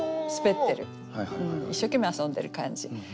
一生懸命遊んでる感じ。